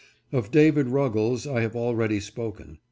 Of David Ruggles I have already spoken.